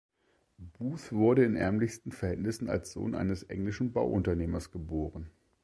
Booth wurde in ärmlichsten Verhältnissen als Sohn eines englischen Bauunternehmers geboren.